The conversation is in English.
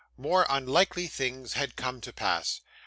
More unlikely things had come to pass.